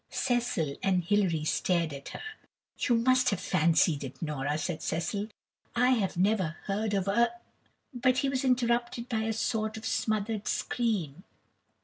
Cecil and Hilary stared at her. "You must have fancied it, Nora," said Cecil. "I never heard of a " but he was interrupted by a sort of smothered scream.